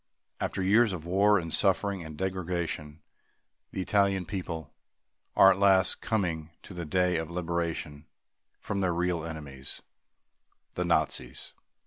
After years of war and suffering and degradation, the Italian people are at last coming to the day of liberation from their real enemies, the Nazis.